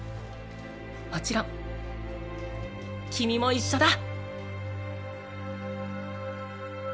もちろん君も一緒だ。